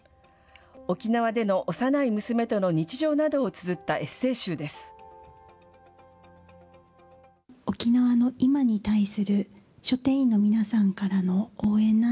沖縄での幼い娘との日常などをつづったエッセー集です。